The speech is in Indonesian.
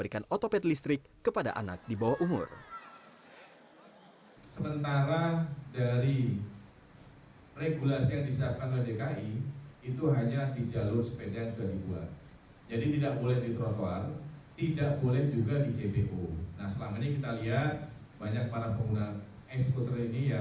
karena biar lebih gimana ya biar teratur